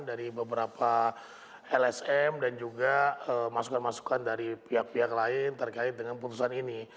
dari beberapa lsm dan juga masukan masukan dari pihak pihak lain terkait dengan putusan ini